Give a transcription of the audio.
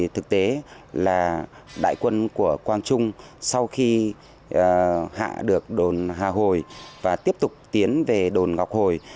thực tế là đại quân của quang trung sau khi hạ được đồn hà hồi và tiếp tục tiến về đồn ngọc hồi